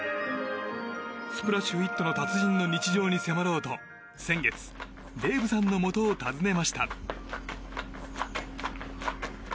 スプラッシュヒットの達人の日常に迫ろうと先月、デイブさんのもとを訪ねました。